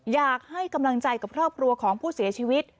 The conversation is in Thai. อยากให้กำลังใจกับครอบครัวของผู้เสียชีวิต